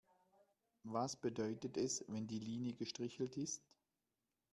Was bedeutet es, wenn die Linie gestrichelt ist?